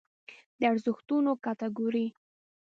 د ارزښتونو کټګورۍ